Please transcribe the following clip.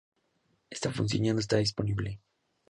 Esta función ya no está disponible.